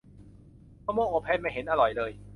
มะม่วงอบแห้ง ไม่เห็นอร่อยเลย